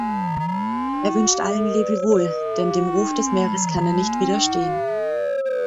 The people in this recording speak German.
Er wünscht allen Lebewohl, denn dem Ruf des Meeres kann er nicht widerstehen.